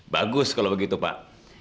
bagus kalau begitu pak